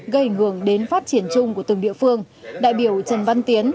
gây ảnh hưởng đến phát triển chung của từng địa phương đại biểu trần văn tiến